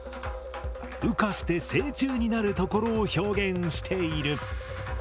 羽化して成虫になるところを表現している。